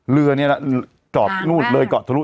เรือนี่นะเลยก่อถะลุ